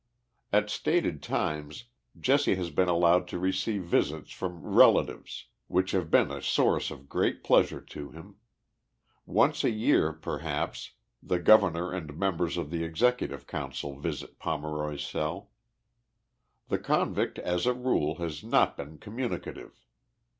At stated times Jesse lias been allowed to receive visits from * relatives, which have been a source of great pleasure to him. Once a year, perhaps, the Governor and members of the Execu tive Council visit Pomeroy's cell. The convict, as a rule, has not been communicative.